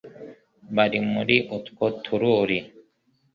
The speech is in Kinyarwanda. bari muri utwo tururi,